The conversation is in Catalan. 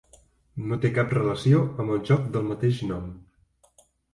No té cap relació amb el joc del mateix nom.